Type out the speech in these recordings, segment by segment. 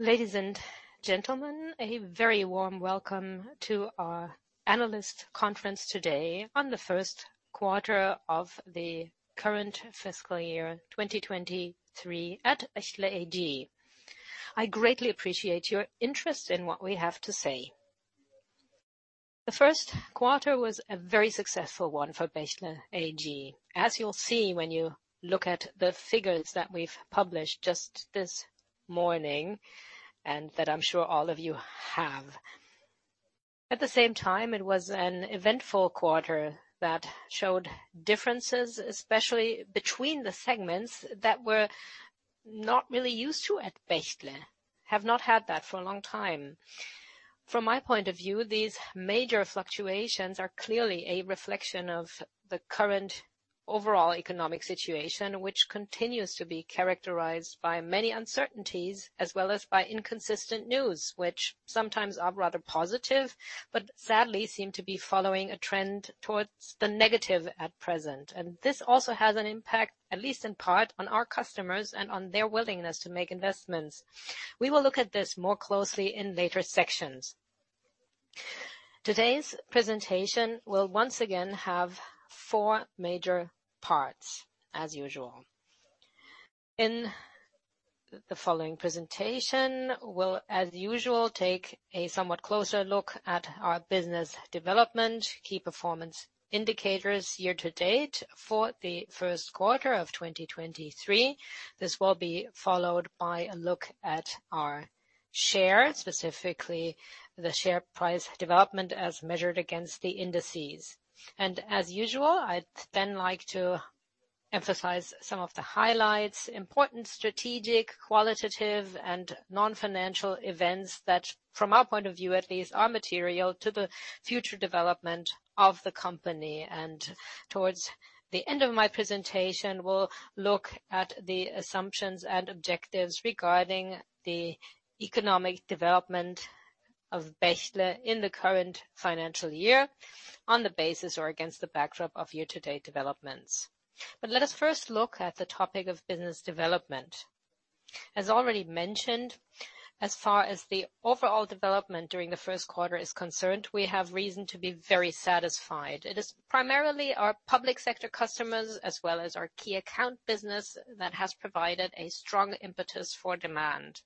Ladies and gentlemen, a very warm welcome to our Analyst Conference today on the Q1 of the current fiscal year, 2023 at Bechtle AG. I greatly appreciate your interest in what we have to say. The Q1 was a very successful one for Bechtle AG, as you'll see when you look at the figures that we've published just this morning, and that I'm sure all of you have. At the same time, it was an eventful quarter that showed differences, especially between the segments that we're not really used to at Bechtle, have not had that for a long time. From my point of view, these major fluctuations are clearly a reflection of the current overall economic situation, which continues to be characterized by many uncertainties as well as by inconsistent news, which sometimes are rather positive, but sadly seem to be following a trend towards the negative at present. This also has an impact, at least in part, on our customers and on their willingness to make investments. We will look at this more closely in later sections. Today's presentation will once again have four major parts as usual. In the following presentation, we'll, as usual, take a somewhat closer look at our business development, key performance indicators year to date for the Q1 of 2023. This will be followed by a look at our share, specifically the share price development as measured against the indices. As usual, I'd then like to emphasize some of the highlights, important strategic, qualitative, and non-financial events that, from our point of view at least, are material to the future development of the company. Towards the end of my presentation, we'll look at the assumptions and objectives regarding the economic development of Bechtle in the current financial year on the basis or against the backdrop of year-to-date developments. Let us first look at the topic of business development. As already mentioned, as far as the overall development during the Q1 is concerned, we have reason to be very satisfied. It is primarily our public sector customers as well as our key account business that has provided a strong impetus for demand.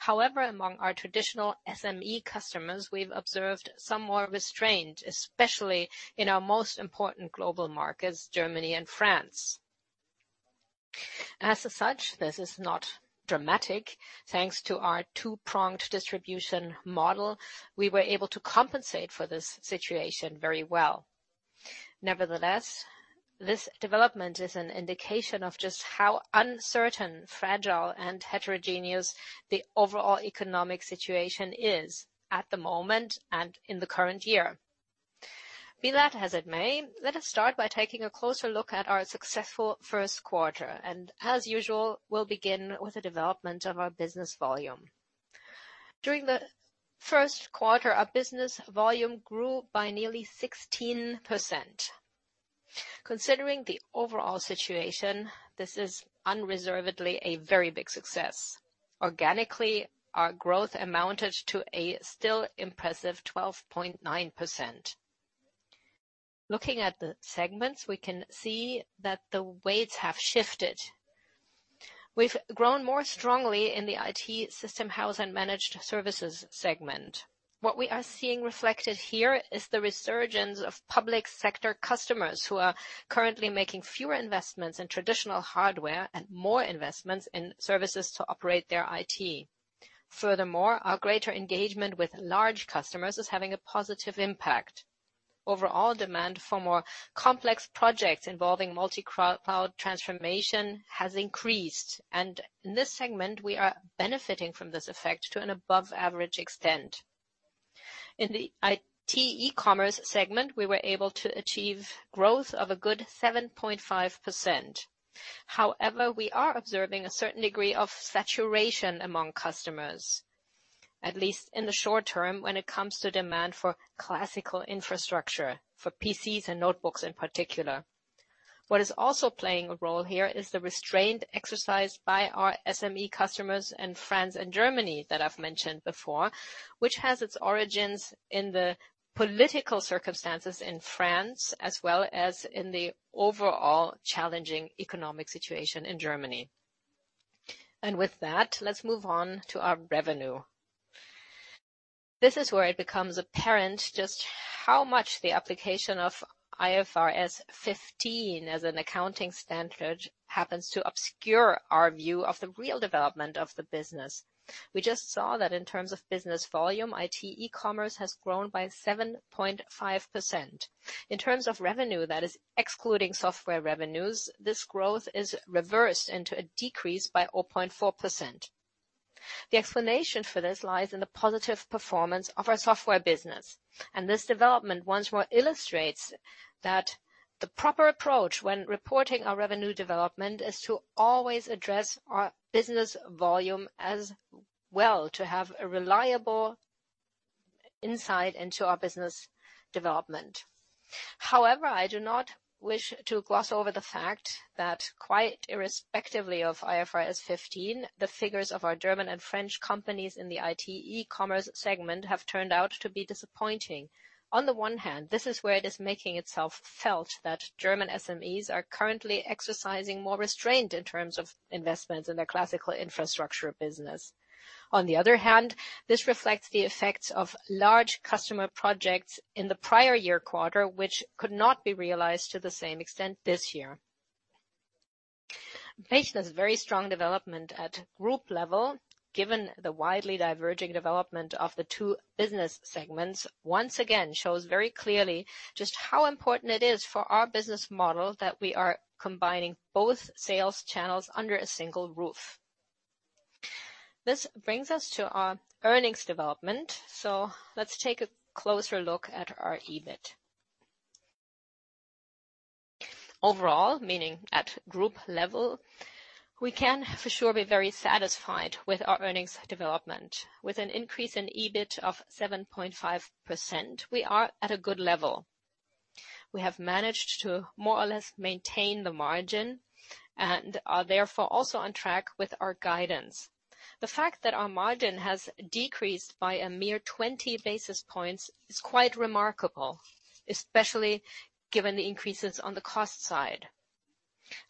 However, among our traditional SME customers, we've observed some more restraint, especially in our most important global markets, Germany and France. As such, this is not dramatic. Thanks to our two-pronged distribution model, we were able to compensate for this situation very well. Nevertheless, this development is an indication of just how uncertain, fragile, and heterogeneous the overall economic situation is at the moment and in the current year. Be that as it may, let us start by taking a closer look at our successful Q1. As usual, we'll begin with the deve lopment of our business volume. During the Q1, our business volume grew by nearly 16%. Considering the overall situation, this is unreservedly a very big success. Organically, our growth amounted to a still impressive 12.9%. Looking at the segments, we can see that the weights have shifted. We've grown more strongly in the IT System House & Managed Services segment. What we are seeing reflected here is the resurgence of public sector customers who are currently making fewer investments in traditional hardware and more investments in services to operate their IT. Our greater engagement with large customers is having a positive impact. Overall demand for more complex projects involving multi-cloud transformation has increased, and in this segment, we are benefiting from this effect to an above-average extent. In the IT E-Commerce segment, we were able to achieve growth of a good 7.5%. We are observing a certain degree of saturation among customers, at least in the short term when it comes to demand for classical infrastructure, for PCs and notebooks in particular. What is also playing a role here is the restraint exercised by our SME customers in France and Germany that I've mentioned before, which has its origins in the political circumstances in France, as well as in the overall challenging economic situation in Germany. With that, let's move on to our revenue. This is where it becomes apparent just how much the application of IFRS 15 as an accounting standard happens to obscure our view of the real development of the business. We just saw that in terms of business volume, IT E-Commerce has grown by 7.5%. In terms of revenue, that is excluding software revenues, this growth is reversed into a decrease by 0.4%. The explanation for this lies in the positive performance of our software business. This development once more illustrates that the proper approach when reporting our revenue development is to always address our business volume as well to have a reliable insight into our business development. However, I do not wish to gloss over the fact that quite irrespectively of IFRS 15, the figures of our German and French companies in the IT E-Commerce segment have turned out to be disappointing. On the one hand, this is where it is making itself felt that German SMEs are currently exercising more restraint in terms of investments in their classical infrastructure business. On the other hand, this reflects the effects of large customer projects in the prior year quarter, which could not be realized to the same extent this year. Bechtle has very strong development at group level, given the widely diverging development of the two business segments. Once again, shows very clearly just how important it is for our business model that we are combining both sales channels under a single roof. This brings us to our earnings development. Let's take a closer look at our EBIT. Overall, meaning at group level, we can for sure be very satisfied with our earnings development. With an increase in EBIT of 7.5%, we are at a good level. We have managed to more or less maintain the margin and are therefore also on track with our guidance. The fact that our margin has decreased by a mere 20 basis points is quite remarkable, especially given the increases on the cost side.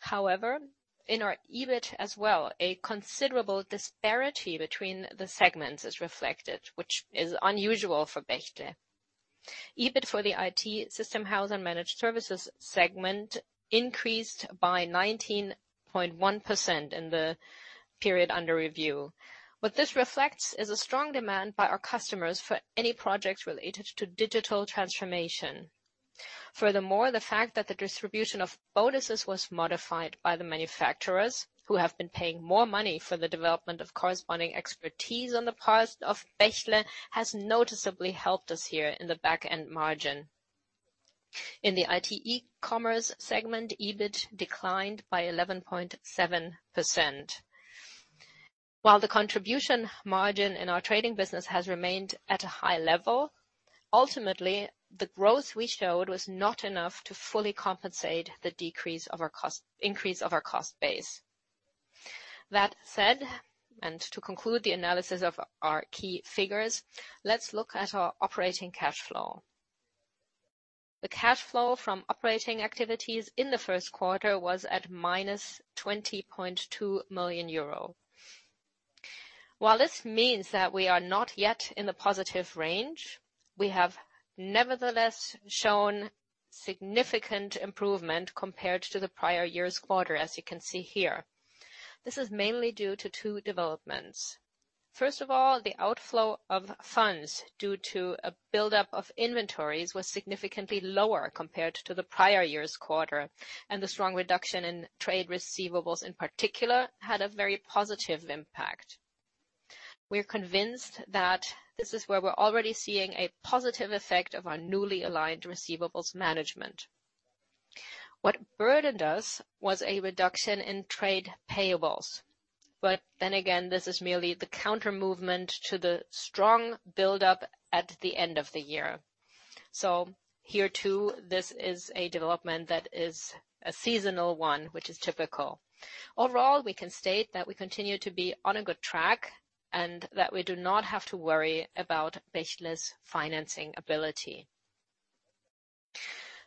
In our EBIT as well, a considerable disparity between the segments is reflected, which is unusual for Bechtle. EBIT for the IT System House and Managed Services segment increased by 19.1% in the period under review. What this reflects is a strong demand by our customers for any projects related to digital transformation. The fact that the distribution of bonuses was modified by the manufacturers who have been paying more money for the development of corresponding expertise on the part of Bechtle, has noticeably helped us here in the back-end margin. In the IT E-Commerce segment, EBIT declined by 11.7%. While the contribution margin in our trading business has remained at a high level, ultimately, the growth we showed was not enough to fully compensate the increase of our cost base. To conclude the analysis of our key figures, let's look at our operating cash flow. The cash flow from operating activities in the Q1 was at minus 20.2 million euro. While this means that we are not yet in the positive range, we have nevertheless shown significant improvement compared to the prior year's quarter, as you can see here. This is mainly due to two developments. First of all, the outflow of funds due to a buildup of inventories was significantly lower compared to the prior year's quarter, and the strong reduction in trade receivables, in particular, had a very positive impact. We're convinced that this is where we're already seeing a positive effect of our newly aligned receivables management. What burdened us was a reduction in trade payables. Again, this is merely the counter movement to the strong buildup at the end of the year. Here, too, this is a development that is a seasonal one, which is typical. Overall, we can state that we continue to be on a good track and that we do not have to worry about Bechtle's financing ability.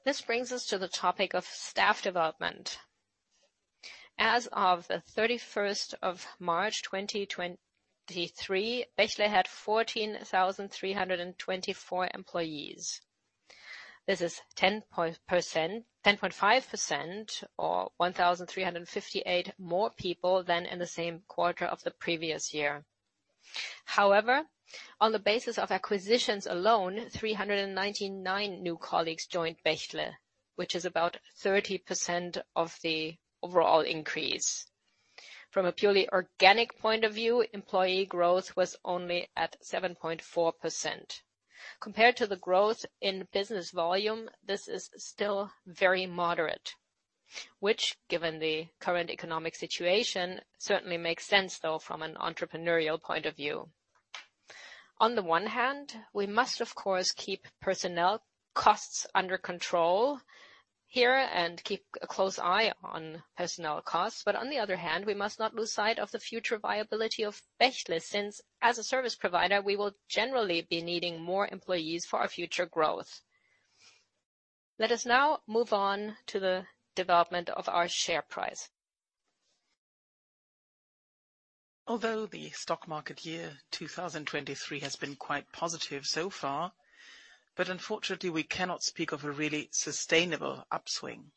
This brings us to the topic of staff development. As of the 31st of March, 2023, Bechtle had 14,324 employees. This is 10.5% or 1,358 more people than in the same quarter of the previous year. On the basis of acquisitions alone, 399 new colleagues joined Bechtle, which is about 30% of the overall increase. From a purely organic point of view, employee growth was only at 7.4%. Compared to the growth in business volume, this is still very moderate, which, given the current economic situation, certainly makes sense, though, from an entrepreneurial point of view. On the one hand, we must, of course, keep personnel costs under control here and keep a close eye on personnel costs. On the other hand, we must not lose sight of the future viability of Bechtle, since, as a service provider, we will generally be needing more employees for our future growth. Let us now move on to the development of our share price. Although the stock market year 2023 has been quite positive so far, unfortunately, we cannot speak of a really sustainable upswing.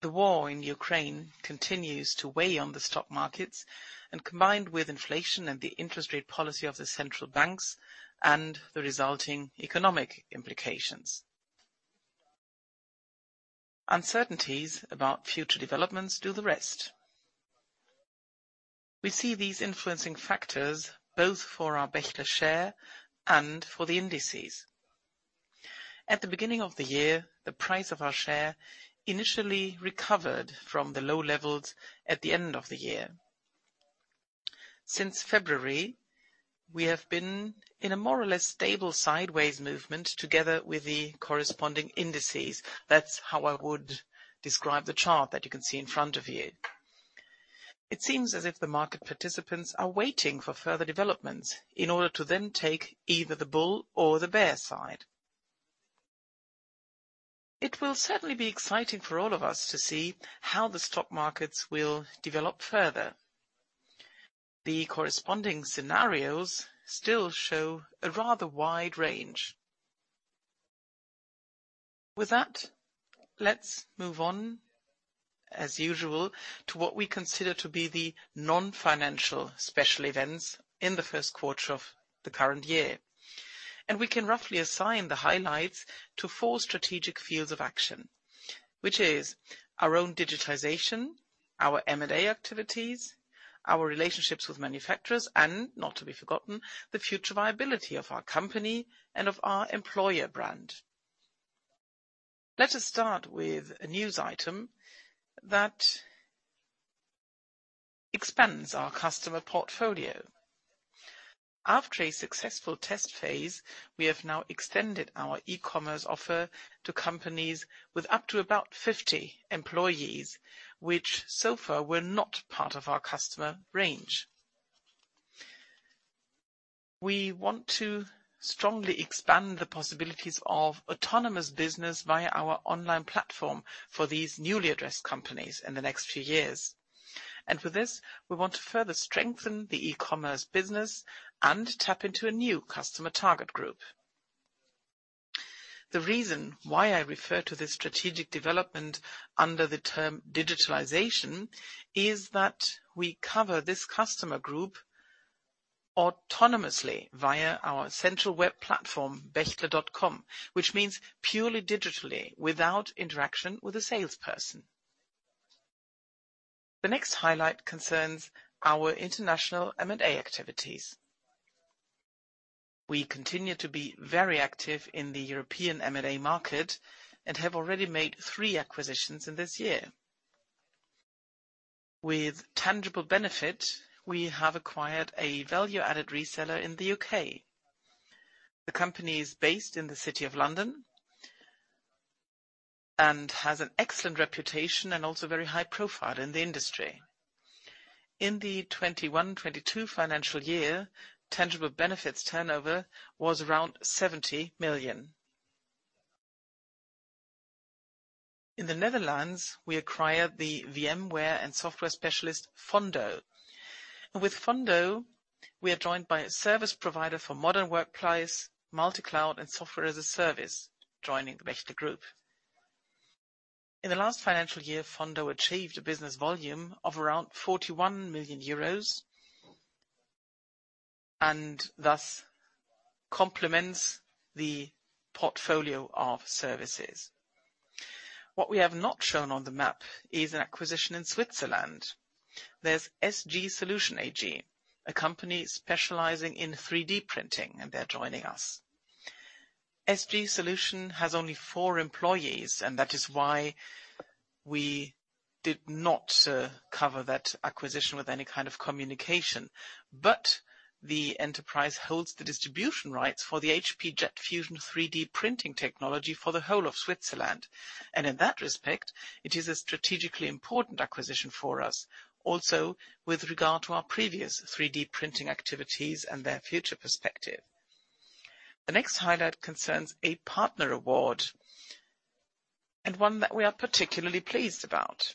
The war in Ukraine continues to weigh on the stock markets and combined with inflation and the interest rate policy of the central banks and the resulting economic implications. Uncertainties about future developments do the rest. We see these influencing factors both for our Bechtle share and for the indices. At the beginning of the year, the price of our share initially recovered from the low levels at the end of the year. Since February, we have been in a more or less stable sideways movement together with the corresponding indices. That's how I would describe the chart that you can see in front of you. It seems as if the market participants are waiting for further developments in order to then take either the bull or the bear side. It will certainly be exciting for all of us to see how the stock markets will develop further. The corresponding scenarios still show a rather wide range. With that, let's move on, as usual, to what we consider to be the non-financial special events in the Q1 of the current year. We can roughly assign the highlights to four strategic fields of action, which is our own digitization, our M&A activities, our relationships with manufacturers, and not to be forgotten, the future viability of our company and of our employer brand. Let us start with a news item that expands our customer portfolio. After a successful test phase, we have now extended our e-commerce offer to companies with up to about 50 employees, which so far were not part of our customer range. For this, we want to strongly expand the possibilities of autonomous business via our online platform for these newly addressed companies in the next few years. For this, we want to further strengthen the e-commerce business and tap into a new customer target group. The reason why I refer to this strategic development under the term digitalization is that we cover this customer group autonomously via our central web platform, bechtle.com, which means purely digitally without interaction with a salesperson. The next highlight concerns our international M&A activities. We continue to be very active in the European M&A market and have already made three acquisitions in this year. With Tangible Benefit, we have acquired a value-added reseller in the U.K. The company is based in the city of London and has an excellent reputation and also very high profile in the industry. In the 2021-2022 financial year, Tangible Benefit turnover was around EUR 70 million. In the Netherlands, we acquired the VMware and software specialist Fondo. With Fondo, we are joined by a service provider for modern workplace, multi-cloud, and software as a service, joining the Bechtle Group. In the last financial year, Fondo achieved a business volume of around 41 million euros, and thus complements the portfolio of services. What we have not shown on the map is an acquisition in Switzerland. There's SGSolution AG, a company specializing in 3D printing, and they're joining us. SGSolution has only four employees, and that is why we did not cover that acquisition with any kind of communication. The enterprise holds the distribution rights for the HP Jet Fusion 3D printing technology for the whole of Switzerland. In that respect, it is a strategically important acquisition for us, also with regard to our previous 3D printing activities and their future perspective. The next highlight concerns a partner award, and one that we are particularly pleased about.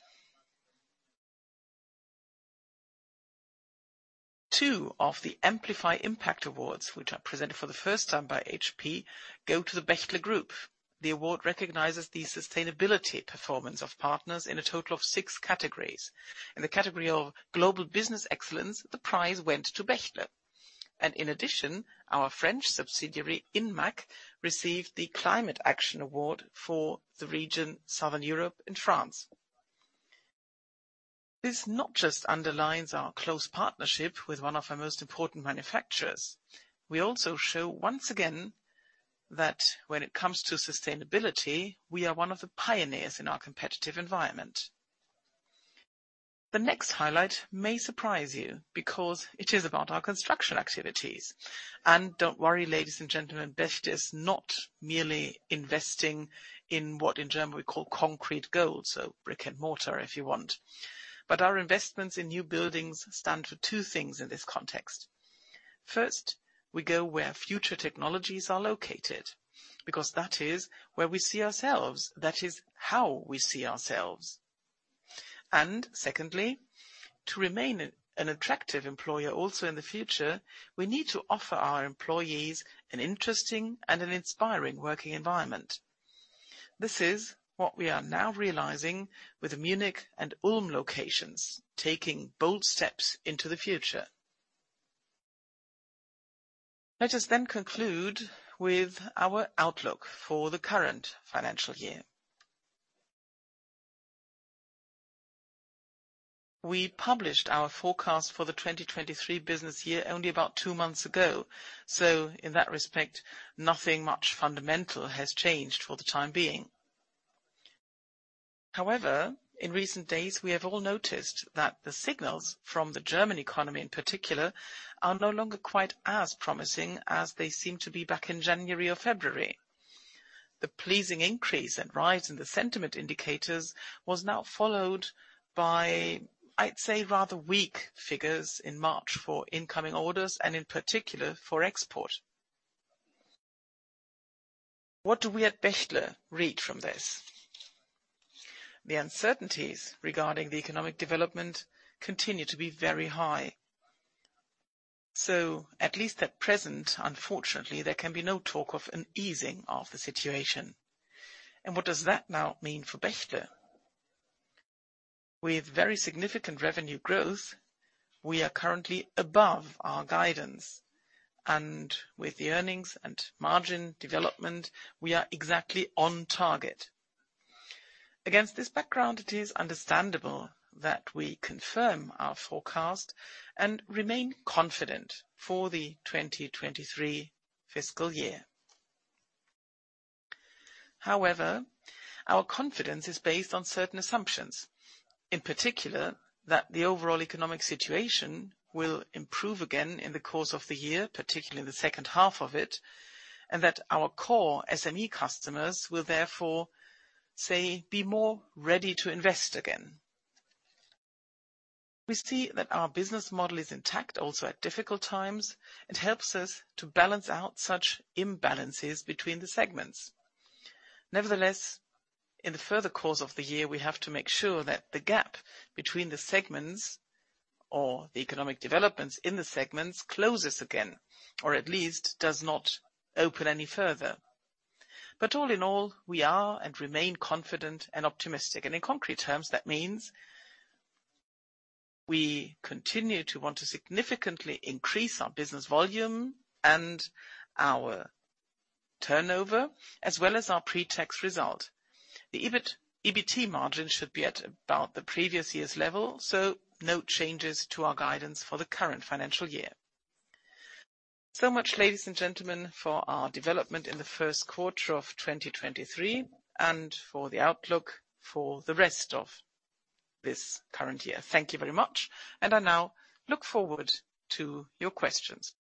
Two of the Amplify Impact Awards, which are presented for the first time by HP, go to the Bechtle Group. The award recognizes the sustainability performance of partners in a total of six categories. In the category of Global Business Excellence, the prize went to Bechtle. In addition, our French subsidiary, Inmac Wstore, received the Climate Action Award for the region Southern Europe and France. This not just underlines our close partnership with one of our most important manufacturers. We also show, once again, that when it comes to sustainability, we are one of the pioneers in our competitive environment. The next highlight may surprise you because it is about our construction activities. Don't worry, ladies and gentlemen, Bechtle is not merely investing in what in Germany we call concrete gold, so brick and mortar, if you want. Our investments in new buildings stand for two things in this context. First, we go where future technologies are located because that is where we see ourselves. That is how we see ourselves. Secondly, to remain an attractive employer also in the future, we need to offer our employees an interesting and an inspiring working environment. This is what we are now realizing with the Munich and Ulm locations, taking bold steps into the future. Let us then conclude with our outlook for the current financial year. We published our forecast for the 2023 business year only about two months ago. In that respect, nothing much fundamental has changed for the time being. However, in recent days, we have all noticed that the signals from the German economy in particular, are no longer quite as promising as they seemed to be back in January or February. The pleasing increase and rise in the sentiment indicators was now followed by, I'd say, rather weak figures in March for incoming orders and in particular for export. What do we at Bechtle read from this? At least at present, unfortunately, there can be no talk of an easing of the situation. What does that now mean for Bechtle? With very significant revenue growth, we are currently above our guidance. With the earnings and margin development, we are exactly on target. Against this background, it is understandable that we confirm our forecast and remain confident for the 2023 fiscal year. However, our confidence is based on certain assumptions, in particular that the overall economic situation will improve again in the course of the year, particularly in the second half of it, and that our core SME customers will therefore, say, be more ready to invest again. We see that our business model is intact also at difficult times. It helps us to balance out such imbalances between the segments. Nevertheless, in the further course of the year, we have to make sure that the gap between the segments or the economic developments in the segments closes again, or at least does not open any further. All in all, we are and remain confident and optimistic. In concrete terms, that means we continue to want to significantly increase our business volume and our turnover, as well as our pre-tax result. The EBIT, EBT margin should be at about the previous year's level. No changes to our guidance for the current financial year. Much, ladies and gentlemen, for our development in the Q1 of 2023 and for the outlook for the rest of this current year. Thank you very much. I now look forward to your questions.